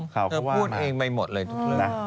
เธอพูดเองไปหมดเลยทุกเรื่องนะ